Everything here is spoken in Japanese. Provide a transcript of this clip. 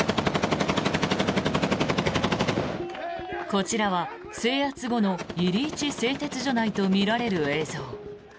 こちらは制圧後のイリイチ製鉄所内とみられる映像。